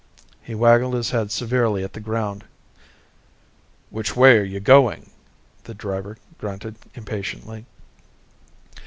He waggled his head severely at the ground. "Which way are you going?" the driver grunted impatiently.